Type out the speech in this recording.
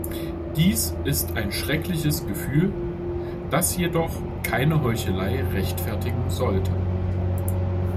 Dies ist ein schreckliches Gefühl, das jedoch keine Heuchelei rechtfertigen sollte.